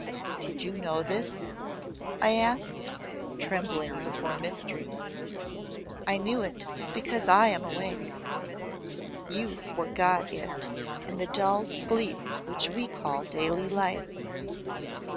"Did you know this?" I asked, trembling before mystery. "I knew it, because I am awake. You forgot it in the dull sleep which we call daily life.